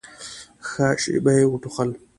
ښه شېبه يې وټوخل.